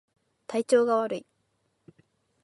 体調が悪い